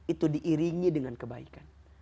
itu diiringi dengan kebaikan